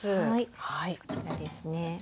はいこちらですね。